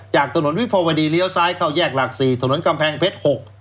จากถนนวิภาวดีเลี้ยวซ้ายเข้าแยกหลัก๔ถนนกำแพงเพชร๖